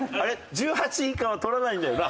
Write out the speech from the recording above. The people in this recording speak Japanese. １８以下は取らないんだよな？